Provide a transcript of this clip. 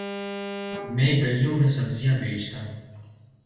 میں گلیوں میں سبزیاں بیچتا ہوں